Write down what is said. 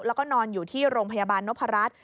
แล้วก็นอนอยู่ที่โรงพยาบาลนพรัช